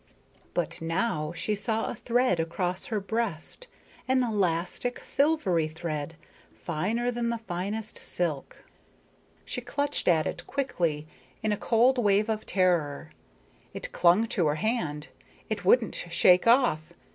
But now she saw a thread across her breast, an elastic silvery thread finer than the finest silk. She clutched at it quickly, in a cold wave of terror. It clung to her hand; it wouldn't shake off.